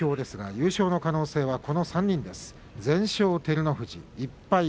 優勝の可能性は３人です。